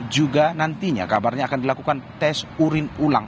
juga nantinya kabarnya akan dilakukan tes urin ulang